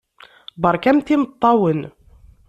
Beṛkamt imeṭṭawen.